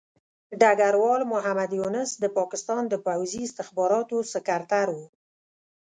ډګروال محمد یونس د پاکستان د پوځي استخباراتو سکرتر وو.